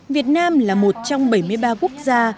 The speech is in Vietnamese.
việt nam là một trong bảy mươi ba quốc gia